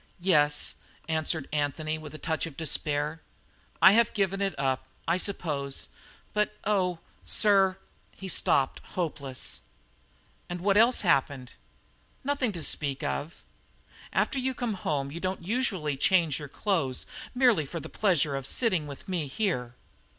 "Yes," answered Anthony, with a touch of despair, "I have given it up, I suppose. But, oh, sir " He stopped, hopeless. "And what else happened?" "Nothing to speak of." "After you come home you don't usually change your clothes merely for the pleasure of sitting with me here."